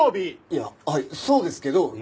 いやはいそうですけどよよさん